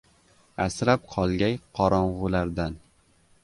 Asrab qolgay qorong‘ulardan